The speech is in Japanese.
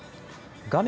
画面